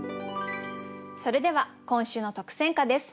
それでは今週の特選歌です。